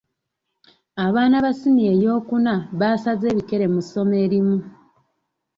Abaana ba siniya ey'okuna baasaze ebikere mu ssomo erimu.